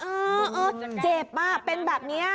เออเจ็บอ่ะเป็นแบบนี้